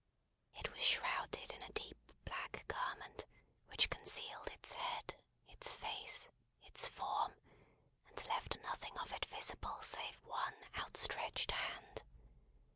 It was shrouded in a deep black garment, which concealed its head, its face, its form, and left nothing of it visible save one outstretched hand.